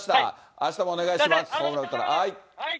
あしたもお願いします。